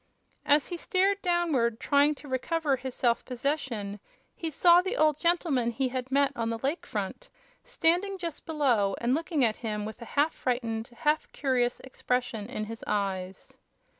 As he stared downward, trying to recover his self possession, he saw the old gentleman he had met on the Lake Front standing just below and looking at him with a half frightened, half curious expression in his eyes.